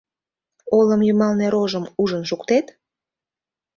Олым йымалне рожым ужын шуктет?